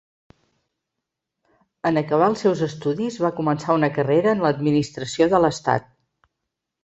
En acabar els seus estudis va començar una carrera en l'administració de l'Estat.